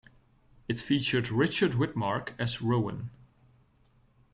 It featured Richard Widmark as Rowan.